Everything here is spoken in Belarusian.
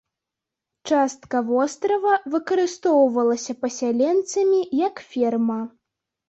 Частка вострава выкарыстоўвалася пасяленцамі як ферма.